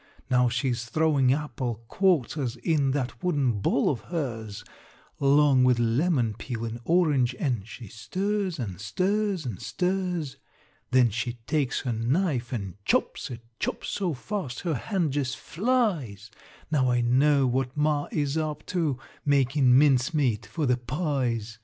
Now she's throwin' apple quarters In that wooden bowl of hers, 'Long with lemon peel and orange, An' she stirs, an' stirs, an' stirs. Then she takes her knife an' chops it, Chops so fast her hand jest flies. Now I know what ma is up to Makin' mincemeat for the pies.